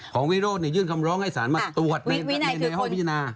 วิโรธยื่นคำร้องให้สารมาตรวจในห้องพิจารณา